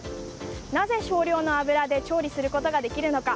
なぜ少量の油で調理することができるのか？